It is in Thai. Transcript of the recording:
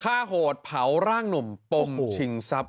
โหดเผาร่างหนุ่มปมชิงทรัพย